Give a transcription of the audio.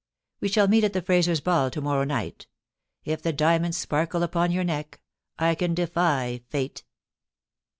We shall meet at the Frazers' Ball to morrow night ; if the diamonds sparkle upon your neck I can defy Fate.'